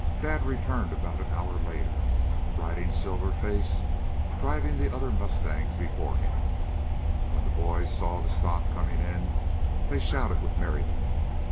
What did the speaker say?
Dad returned about an hour later, riding Silver Face, driving the other mustangs before him. When the boys saw the stock coming in they shouted with merriment.